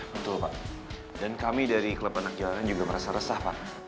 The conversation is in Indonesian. betul pak dan kami dari klub anak jalanan juga merasa resah pak